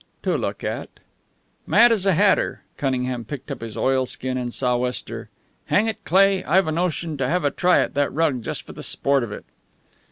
"To look at." "Mad as a hatter!" Cunningham picked up his oilskin and sou'wester. "Hang it, Cleigh, I've a notion to have a try at that rug just for the sport of it!"